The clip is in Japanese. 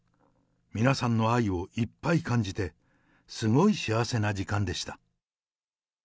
皆さんの愛をいっぱい感じて、すごい幸せな時間でした。